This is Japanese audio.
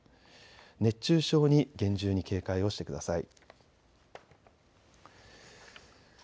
熱中症に厳重に警戒をしてください。